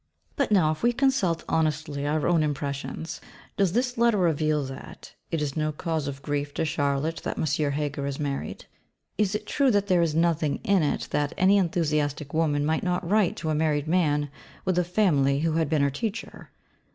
_ But now if we consult honestly our own impressions, does this letter reveal that 'it is no cause of grief to Charlotte that M. Heger is married'? Is it true that _there 'is nothing in it that any enthusiastic woman might not write to a married man with a family who had been her teacher_'?